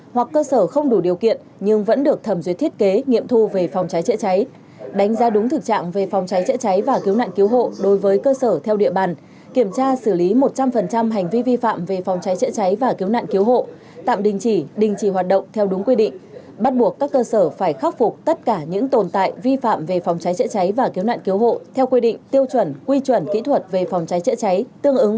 hoặc cơ sở không đủ điều kiện nhưng vẫn được thẩm duyệt thiết kế nghiệm thu về phòng cháy chữa cháy đánh giá đúng thực trạng về phòng cháy chữa cháy và cứu nạn cứu hộ đối với cơ sở theo địa bàn kiểm tra xử lý một trăm linh hành vi vi phạm về phòng cháy chữa cháy và cứu nạn cứu hộ tạm đình chỉ đình chỉ hoạt động theo đúng quy định bắt buộc các cơ sở phải khắc phục tất cả những tồn tại vi phạm về phòng cháy chữa cháy và cứu nạn cứu hộ theo quy định tiêu chuẩn quy chuẩn kỹ thuật về phòng cháy chữa cháy tương ứng